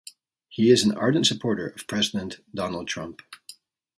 He is an ardent supporter of president Donald Trump.